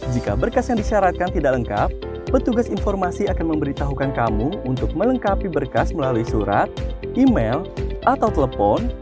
jika berkas yang disyaratkan tidak lengkap petugas informasi akan memberitahukan kamu untuk melengkapi berkas melalui surat email atau telepon